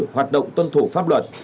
hoạt động tuân thủ pháp luật